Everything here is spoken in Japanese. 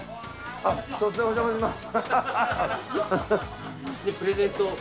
突然お邪魔します。